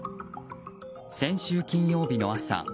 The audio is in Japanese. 先週金曜日の朝。